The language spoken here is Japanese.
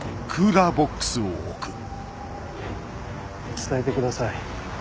伝えてください。